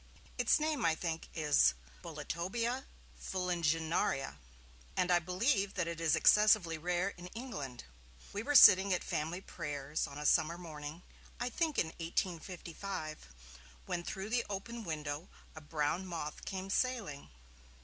Its name, I think is, 'Boletobia fuliginaria', and I believe that it is excessively rare in England. We were sitting at family prayers, on a summer morning, I think in 1855, when through the open window a brown moth came sailing.